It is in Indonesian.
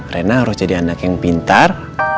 rena harus jadi anak yang pintar